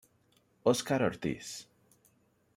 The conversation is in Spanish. Óscar Ortiz.